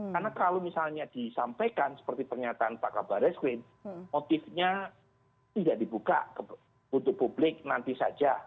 karena kalau misalnya disampaikan seperti pernyataan pak kabar eskwin motifnya tidak dibuka untuk publik nanti saja